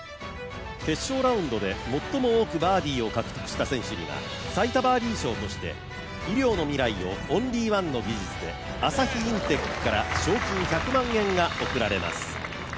決勝ラウンドで最も多くバーディーを獲得した選手には最多バーディー賞として、医療の未来をオンリーワンの技術で、朝日インテックから賞金１００万円が贈られます。